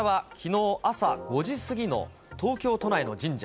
こちらはきのう朝５時過ぎの東京都内の神社。